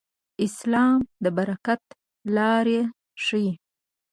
اسلام د برکت لار ښيي.